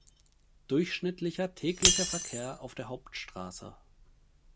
Durchschnittlicher täglicher Verkehr auf der Hauptstraße